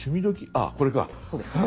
あこれか。